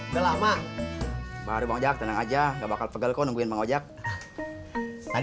udah lama baru mau jak tenang aja gak bakal pegel kok nungguin mau jak tadi